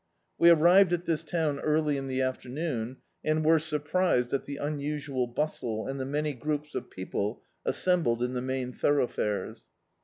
We arrived at this town early in the aftemoai, and were surprised at the unusual bustle and the many groups of people assembled in the main thorough fares.